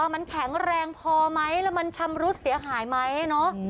มันแข็งแรงพอไหมแล้วมันชำรุดเสียหายไหมเนาะ